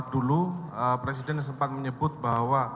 dulu presiden sempat menyebut bahwa